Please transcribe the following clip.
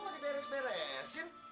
kok gak diberesin beresin